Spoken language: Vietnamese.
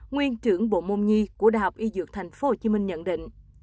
nguyên trưởng bộ môn nhi của đh y dược tp hcm nhận định